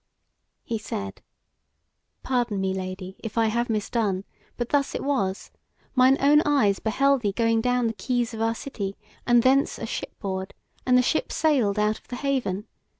He said: "Pardon me, Lady, if I have misdone; but thus it was: Mine own eyes beheld thee going down the quays of our city, and thence a ship board, and the ship sailed out of the haven.